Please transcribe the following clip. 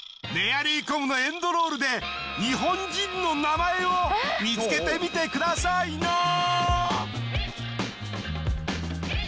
『メアリー・コム』のエンドロールで日本人の名前を見つけてみてくださいな！